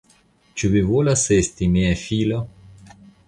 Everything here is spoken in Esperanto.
Ĉu vi volas esti mia filo?